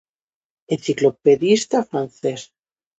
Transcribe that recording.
Enciclopedista francés.